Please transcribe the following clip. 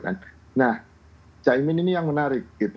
nah caimin ini yang menarik